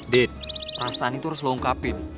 dit perasaan itu harus lu ungkapin